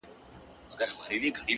د حقیقت لاره تل روښانه وي,